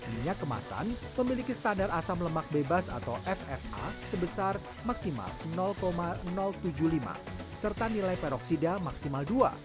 minyak kemasan memiliki standar asam lemak bebas atau ffa sebesar maksimal tujuh puluh lima serta nilai peroksida maksimal dua